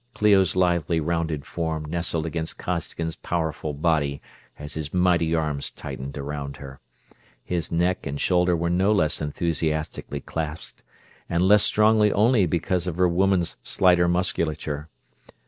Clio's lithely rounded form nestled against Costigan's powerful body as his mighty arms tightened around her; his neck and shoulder were no less enthusiastically clasped, and less strongly only because of her woman's slighter musculature.